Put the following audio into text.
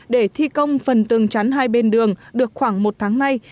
để thi công phần tường chắn hai bên đường được khoảng một tháng nay